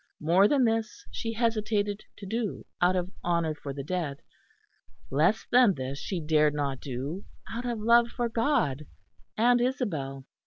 More than this she hesitated to do out of honour for the dead; less than this she dared not do out of love for God and Isabel.